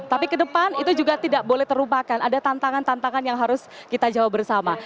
tapi ke depan itu juga tidak boleh terlupakan ada tantangan tantangan yang harus kita jawab bersama